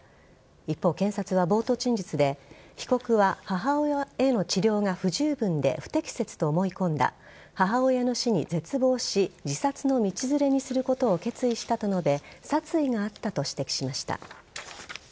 一方、検察は冒頭陳述で被告は母親への治療が不十分で不適切と思い込んだ母親の死に絶望し自殺の道連れにすることを決意したと述べ殺意があったと指摘しました。